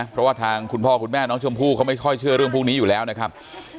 เพราะว่าทางคุณพ่อคุณแม่น้องชมพู่เขาไม่ค่อยเชื่อเรื่องพวกนี้อยู่แล้วนะครับ